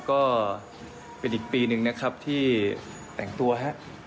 ก็เป็นอีกปีหนึ่งนะครับที่แต่งตัวครับ